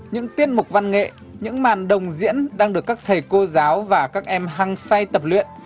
những tiết mục văn nghệ những màn đồng diễn đang được các thầy cô giáo và các em hăng say tập luyện